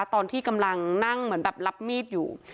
ตอนที่กำลังนั่งเหมือนแบบรับมีดอยู่